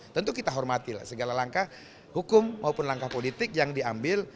tentu kita hormati segala langkah hukum maupun langkah politik yang diambil